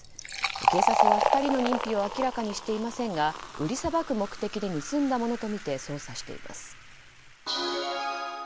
警察は２人の認否を明らかにしていませんが売りさばく目的で盗んだものとみて捜査しています。